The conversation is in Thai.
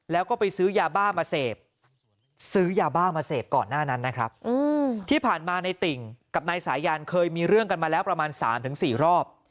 แล้วก็ไปซื้อยาบ้ามาเสพซื้อยาบ้ามาเสพก่อนหน้านั้นนะครับที่ผ่านมาในติ่งกับนายสายันเคยมีเรื่องกันมาแล้วประมาณ๓๔รอบ